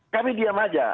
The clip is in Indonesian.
kami diam saja